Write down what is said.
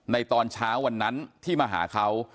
ตอนเช้าวันนั้นที่มาหาเขา